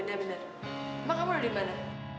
emang kamu udah di mana